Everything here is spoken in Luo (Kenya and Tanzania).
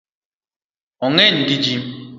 Ong’eny gi ji